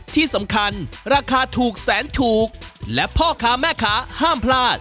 ที่สำคัญราคาถูกแสนถูกและพ่อค้าแม่ค้าห้ามพลาด